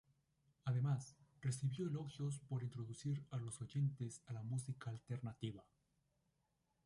Además, recibió elogios por introducir a los oyentes a la música alternativa.